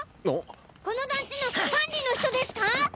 この団地の管理の人ですか？